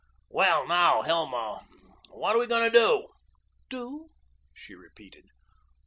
"Well, now, Hilma, what are we going to do?" "Do?" she repeated.